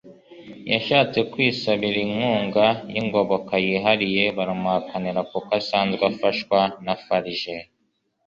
yashatse kwisabira inkunga y'ingoboka yihariye baramuhakanira kuko asanzwe afashwa na farg